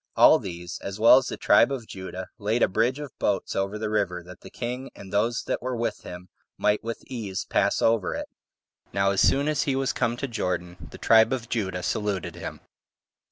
All these, as well as the tribe of Judah, laid a bridge [of boats] over the river, that the king, and those that were with him, might with ease pass over it. Now as soon as he was come to Jordan, the tribe of Judah saluted him.